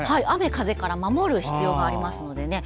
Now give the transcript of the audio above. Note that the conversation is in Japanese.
雨風から守る必要がありますので。